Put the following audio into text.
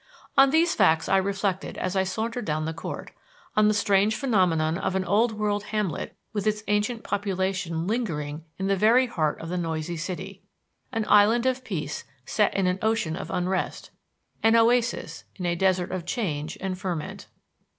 On these facts I reflected as I sauntered down the court, on the strange phenomenon of an old world hamlet with its ancient population lingering in the very heart of the noisy city; an island of peace set in an ocean of unrest, an oasis in a desert of change and ferment.